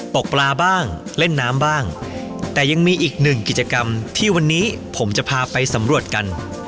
ตกปลาบ้างเล่นน้ำบ้างแต่ยังมีอีกหนึ่งกิจกรรมที่วันนี้ผมจะพาไปสำรวจกัน